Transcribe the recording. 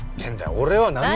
俺は何も。